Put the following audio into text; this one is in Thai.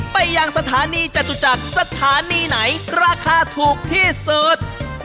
ไปยังสถานีจตุจักรสถานีไหนราคาถูกที่สุด